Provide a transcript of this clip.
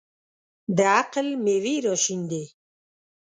د عقل مېوې راشنېدې.